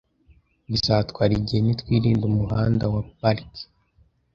Bizatwara igihe nitwirinda umuhanda wa Park .